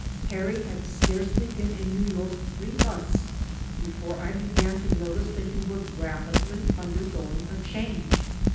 Harry had scarcely been in New York three months before I began to notice that he was rapidly undergoing a change.